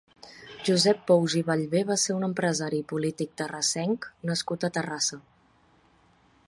Josep Pous i Ballbé va ser un empresari i polític terrassenc nascut a Terrassa.